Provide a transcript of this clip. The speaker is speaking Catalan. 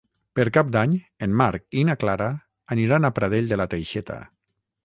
Per Cap d'Any en Marc i na Clara aniran a Pradell de la Teixeta.